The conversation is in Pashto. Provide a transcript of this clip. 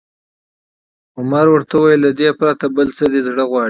عمر ورته وویل: له دې پرته، بل څه دې زړه غواړي؟